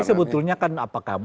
ini sebetulnya kan apakah empat